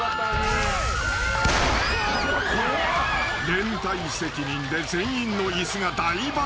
［連帯責任で全員の椅子が大爆発］